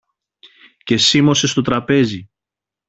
και σίμωσε στο τραπέζι.